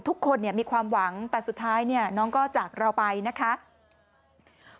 ทุกคนมีความหวังแต่สุดท้ายเนี่ยน้องก็จากเราไปนะคะ